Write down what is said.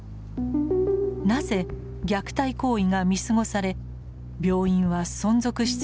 なぜ虐待行為が見過ごされ病院は存続し続けてきたのでしょうか。